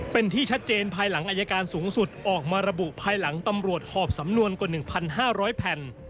เป็นที่ชัดเจนภายหลังอายการสูงสุดออกมาระบุภายหลังตำรวจหอบสำนวนกว่า๑๕๐๐แผ่น